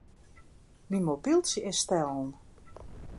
Myn mobyltsje is stellen.